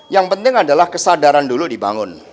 yang penting adalah kesadaran dulu dibangun